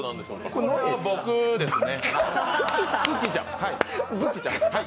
これは僕ですね。